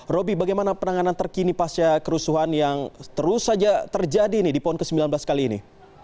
roby bagaimana penanganan terkini pasca kerusuhan yang terus saja terjadi di pon ke sembilan belas kali ini